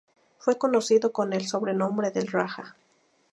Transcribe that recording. Fue conocido con el sobrenombre del Rajá.